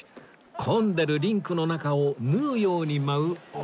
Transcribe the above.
混んでるリンクの中を縫うように舞う織田さん